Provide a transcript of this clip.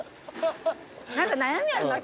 何か悩みあるなら。